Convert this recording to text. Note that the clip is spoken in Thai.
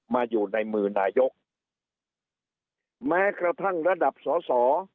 อยู่ในมือนายกแม้กระทั่งระดับสอสอ